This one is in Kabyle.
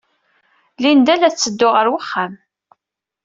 Linda la tetteddu ɣer wexxam.